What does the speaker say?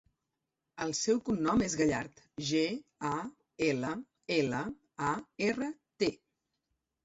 El seu cognom és Gallart: ge, a, ela, ela, a, erra, te.